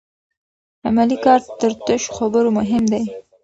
عملي کار تر تشو خبرو مهم دی.